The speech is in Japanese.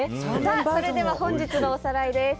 それでは本日のおさらいです。